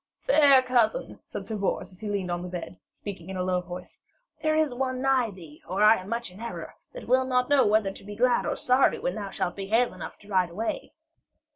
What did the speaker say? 'Fair cousin,' said Sir Bors, as he leaned on the bed, speaking in a low voice, 'there is one nigh thee, or I am much in error, that will not know whether to be glad or sorry when thou shalt be hale enough to ride away.'